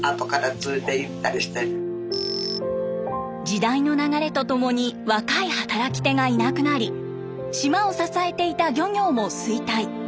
時代の流れとともに若い働き手がいなくなり島を支えていた漁業も衰退。